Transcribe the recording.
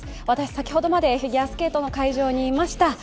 私先ほどまでフィギュアスケートの会場にいました。